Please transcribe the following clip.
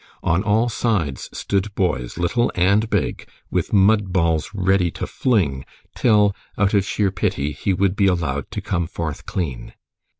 On all sides stood boys, little and big, with mud balls ready to fling, till, out of sheer pity, he would be allowed to come forth clean.